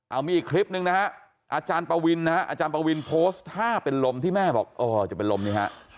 เอามีอีกคลิปนึงนะฮะอาจารย์ปวินนะฮะอาจารย์ปวินโพสต์ท่าเป็นลมที่แม่บอกเออจะเป็นลมนี้ฮะ